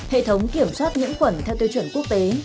hệ thống kiểm soát nhiễm khuẩn theo tiêu chuẩn quốc tế